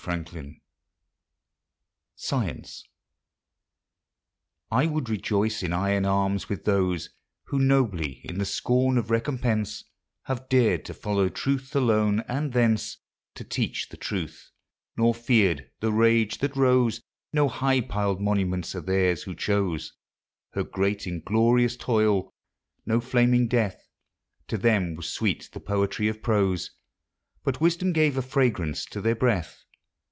SCIENCE I would rejoice in iron arms with those Who, nobly in the scorn of recompense, Have dared to follow Truth alone, and thence To teach the truth—nor fear'd the rage that rose. No high piled monuments are theirs who chose Her great inglorious toil—no flaming death; To them was sweet the poetry of prose, But wisdom gave a fragrance to their breath.